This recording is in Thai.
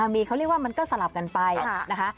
มีเขาเรียกว่ามันก็สลับกันไปนะคะ